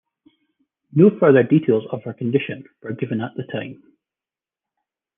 No further details of her condition were given at the time.